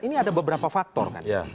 ini ada beberapa faktor kan